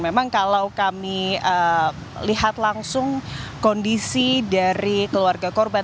memang kalau kami lihat langsung kondisi dari keluarga korban